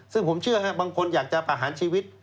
ซึ่งผมเชื่อบางคนอยากจะประหารชีวิต